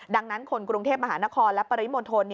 ดังนั้นคนกรุงเทพมหานครและปริมณฑล